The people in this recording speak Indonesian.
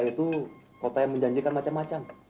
itu kota yang menjanjikan macam macam